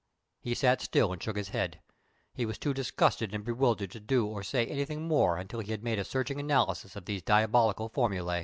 He sat still, and shook his head. He was too disgusted and bewildered to do or say anything more until he had made a searching analysis of these diabolical formulæ.